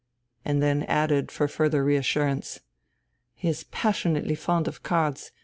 And then added for further reassurance :" He is passion ately fond of cards